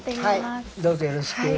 はいどうぞよろしく。